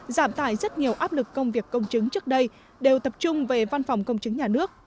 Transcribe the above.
giảm tải rất nhiều áp lực công việc công chứng trước đây đều tập trung về văn phòng công chứng nhà nước